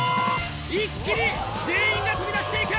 一気に全員が飛び出していく！